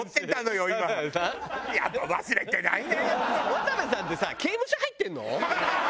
渡部さんってさ刑務所入ってんの？